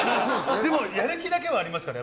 でもやる気だけはありますから。